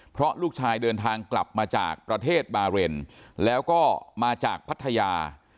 เพราะลูกชายเดินทางกลับมาจากประเทศบาเรนแล้วก็มาจากพัทยา